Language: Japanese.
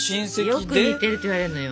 よく似てるって言われるのよ。